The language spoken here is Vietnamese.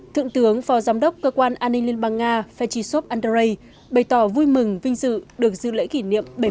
thượng tướng phó giám đốc cơ quan an ninh liên bang nga fashisov andrei bày tỏ vui mừng vinh dự được dư lễ kỷ niệm